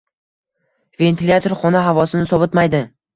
ventilyator xona havosini sovitmaydi